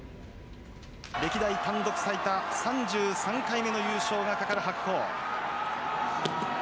歴代単独最多３３回目の優勝が懸かる白鵬。